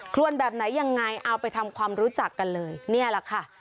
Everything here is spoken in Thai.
ควรแบบไหนยังไงเอาไปทำความรู้จักกันเลยนี่แหละค่ะ